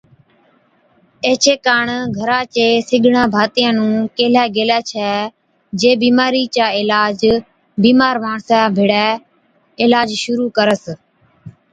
ايڇي ڪاڻ گھرا چي سڳڙان ڀاتِيئان نُون ڪيهلَي گيلَي ڇَي جي بِيمارِي چا علاج بِيمار ماڻسا ڀيڙَي عِلاج شرُوع ڪرس۔